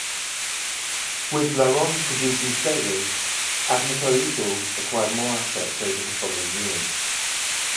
With LaRonde producing steadily, Agnico Eagle acquired more assets over the following years.